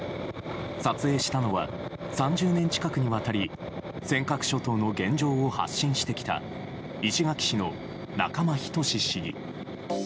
撮影したのは３０年近くにわたり尖閣諸島の現状を発信してきた石垣市の仲間均市議。